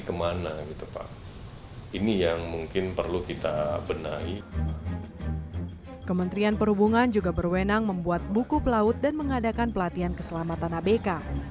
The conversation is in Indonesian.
kementerian perhubungan juga berwenang membuat buku pelaut dan mengadakan pelatihan keselamatan abk